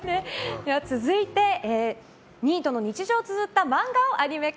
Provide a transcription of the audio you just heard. では続いてニートの日常をつづった漫画をアニメ化。